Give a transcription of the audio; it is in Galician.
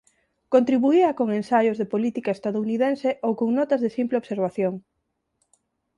Contribuía con ensaios de política estadounidense ou con notas de simple observación.